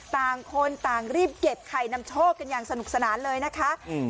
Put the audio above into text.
ต่างคนต่างรีบเก็บไข่นำโชคกันอย่างสนุกสนานเลยนะคะอืม